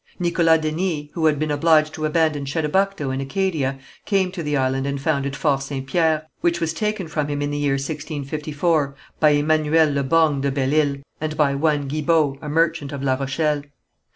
Nicholas Denys, who had been obliged to abandon Chedabucto, in Acadia, came to the island and founded Fort St. Pierre, which was taken from him in the year 1654 by Emmanuel le Borgne de Belle Isle, and by one Guilbault, a merchant of La Rochelle.